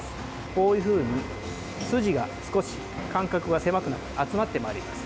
こういうふうに筋が少し間隔が狭く集まってまいります。